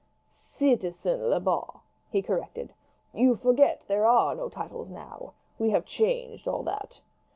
"Citizen Lebat," he corrected. "You forget, there are no titles now we have changed all that.